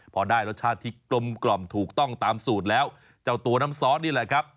พอได้รสชาติที่กลมกล่อมถูกต้องตามสูตรแล้วเจ้าตัวน้ำซอสนี่แหละครับ